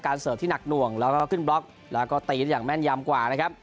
เสิร์ฟที่หนักหน่วงแล้วก็ขึ้นบล็อกแล้วก็ตีกันอย่างแม่นยำกว่านะครับ